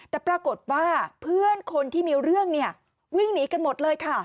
แต่ปรากฏว่าเพื่อนคนที่มีเรื่องเนี่ยวิ่งหนีกันหมดเลยค่ะ